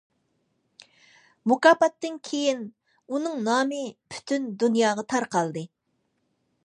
مۇكاپاتتىن كېيىن ئۇنىڭ نامى پۈتۈن دۇنياغا تارقالدى.